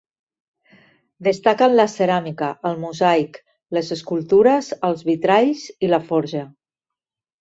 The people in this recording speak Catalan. Destaquen la ceràmica, el mosaic, les escultures, els vitralls i la forja.